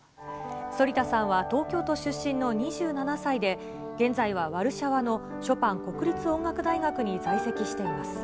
反田さんは東京都出身の２７歳で、現在はワルシャワのショパン国立音楽大学に在籍しています。